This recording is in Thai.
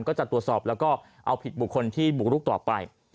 ก็จะตรวจสอบแล้วก็เอาผิดบุคคลที่บุกรุกต่อไป